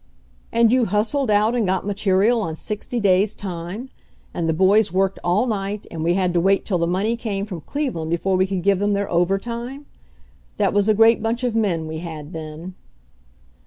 "And you hustled out and got material on sixty days' time ? And the boys worked all night, and we had to wait till the money came from Cleve land before we could give them their overtime? That was a great bunch of men we had then."